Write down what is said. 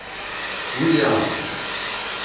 We Are